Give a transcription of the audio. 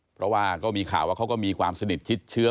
เพราะว่าก็มีข่าวว่าเขาก็มีความสนิทชิดเชื้อ